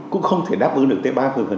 cũng không thể đáp ứng được tới ba mươi